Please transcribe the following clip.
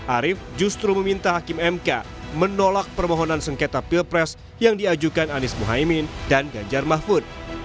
arief justru meminta hakim mk menolak permohonan sengketa pilpres yang diajukan anies muhaymin dan ganjar mahfud